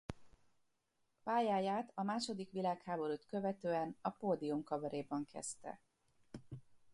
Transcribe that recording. Pályáját a második világháborút követően a Pódium Kabaréban kezdte.